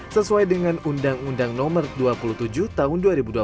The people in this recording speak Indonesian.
sesuai dengan undang undang nomor dua puluh tujuh tahun dua ribu dua puluh